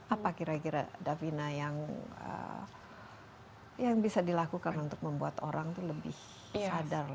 apa kira kira davina yang bisa dilakukan untuk membuat orang itu lebih sadar